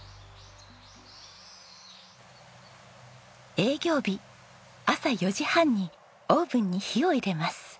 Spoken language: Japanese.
営業日朝４時半にオーブンに火を入れます。